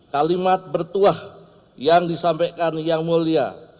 kalimat bertuah yang disampaikan yang mulia